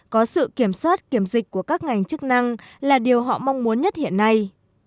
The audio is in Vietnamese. có sự kiểm soát kiểm dịch của các ngành chức năng là điều họ mong muốn nhất hiện nay